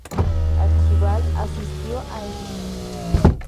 Archibald asistió a St.